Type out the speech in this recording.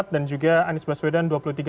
dan juga anies baswedan dua puluh tiga delapan